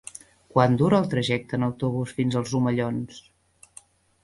Quant dura el trajecte en autobús fins als Omellons?